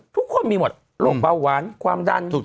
ทุกคนมีหมดโรคเบาหวานความดัน